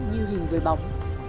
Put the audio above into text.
như hình với bóng